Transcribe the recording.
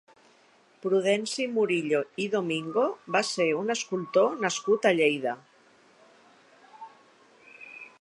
Prudenci Murillo i Domingo va ser un escultor nascut a Lleida.